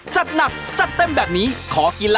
จัดหนักจัดเต็มแบบนี้